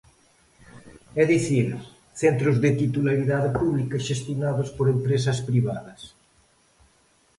É dicir, centros de titularidade pública xestionados por empresas privadas.